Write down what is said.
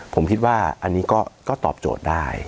ผมคิดว่าอันนี้ก็ตอบโจทย์ได้